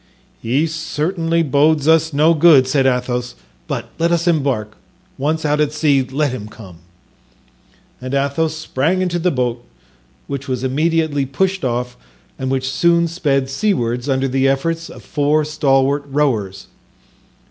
"He certainly bodes us no good," said Athos; "but let us embark; once out at sea, let him come." And Athos sprang into the boat, which was immediately pushed off and which soon sped seawards under the efforts of four stalwart rowers.